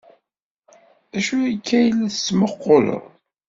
D acu akka ay la tettmuqquleḍ?